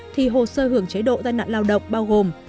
thì hồ sơ hưởng chế độ gian nạn lao động bao gồm